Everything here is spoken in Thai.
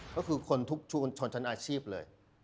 ก็คือคนทุกชุมชนชั้นอาชีพเลย